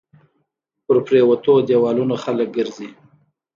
په پريوتو ديوالونو خلک ګرځى